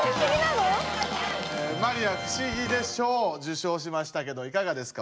マリア「不思議で賞」を受賞しましたけどいかがですか？